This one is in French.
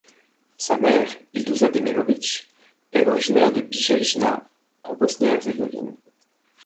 Sa mère, Ilduza Demirović, est originaire de Bijeljina en Bosnie-Herzégovine.